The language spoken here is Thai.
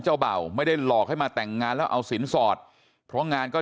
เบ่าไม่ได้หลอกให้มาแต่งงานแล้วเอาสินสอดเพราะงานก็